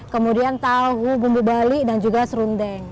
kemudian tahu bumbu bali dan juga serundeng